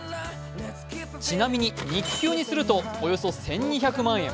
ちなみに日給にするとおよそ１２００万円。